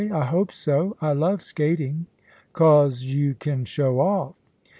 I hope so. I love skating." "'Cause you can show off."